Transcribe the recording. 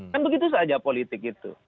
kan begitu saja politik itu